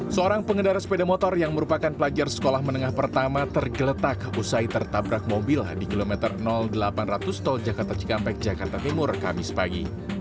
seorang pengendara sepeda motor yang merupakan pelajar sekolah menengah pertama tergeletak usai tertabrak mobil di kilometer delapan ratus tol jakarta cikampek jakarta timur kamis pagi